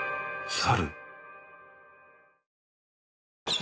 猿？